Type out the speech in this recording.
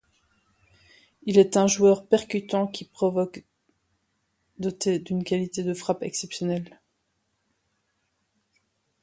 Il est un joueur percutant qui provoque doté d'une qualité de frappe exceptionnelle.